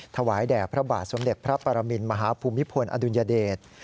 ถวายแด่พระบาทสมเด็จพระปรมินมหาภูมิพลอดุลยเดช